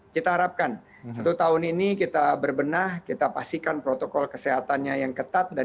kita harapkan satu tahun ini kita berbenah kita pastikan protokol kesehatannya yang ketat